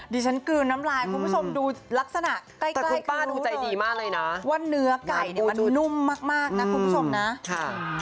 ดิฉันกลืนน้ำลายคุณผู้ชมดูลักษณะใกล้คือรู้เลยว่าเนื้อไก่เนี่ยมันนุ่มมากนะคุณผู้ชมนะ